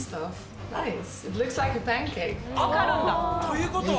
ということは？